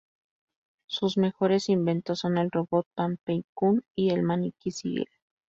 Sus mejores inventos son el robot Banpei-kun y el maniquí Sigel.